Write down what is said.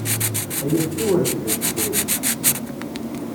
Ay ixef-iw rfed asefru.